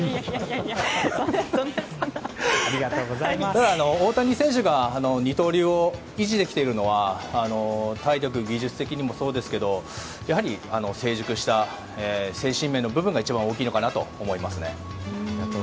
ただ大谷選手が二刀流を維持できているのは体力、技術的にもそうですけどやはり成熟した精神面の部分が一番大きいかなと思いますね。